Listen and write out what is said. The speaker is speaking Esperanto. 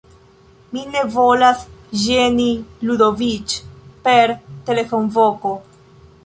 Mi ne volas ĝeni Ludoviĉ per telefonvoko.